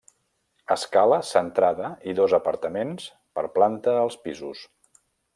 Escala centrada i dos apartaments per planta als pisos.